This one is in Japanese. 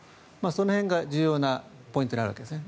その辺が重要なポイントになるわけですね。